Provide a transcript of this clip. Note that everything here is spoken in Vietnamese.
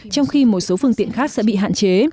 trong khi một số phương tiện khác sẽ bị hạn chế